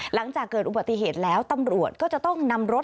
หลังจากเกิดอุบัติเหตุแล้วตำรวจก็จะต้องนำรถ